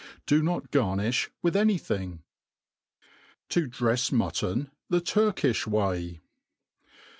Do not garnifh with any thing. To drefs Mutton the Turkijh way.